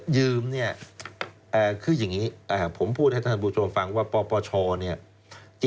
ยืมคืออย่างนี้ผมพูดให้ท่านผู้ชมฟังว่าปปช